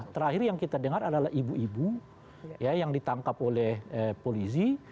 terakhir yang kita dengar adalah ibu ibu yang ditangkap oleh polisi